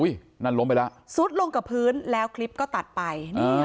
นั่นล้มไปแล้วซุดลงกับพื้นแล้วคลิปก็ตัดไป